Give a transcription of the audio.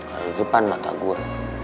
kalau di depan mata gue